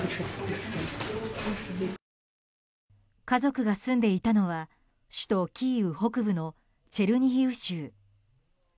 家族が住んでいたのは首都キーウ北部のチェルニヒウ州。